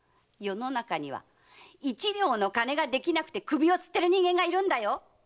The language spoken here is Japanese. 世の中には一両の金ができなくて首を吊ってる人間がいるんだよ！